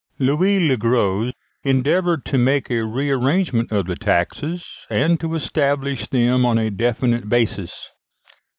Louis le Gros endeavoured to make a re arrangement of the taxes, and to establish them on a definite basis.